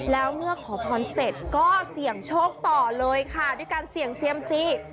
แล้วเมื่อขอพรเสร็จก็เสี่ยงโชคต่อเลยค่ะด้วยการเสี่ยงเซียมซี